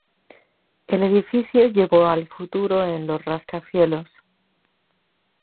El edificio llevó al futuro en los rascacielos.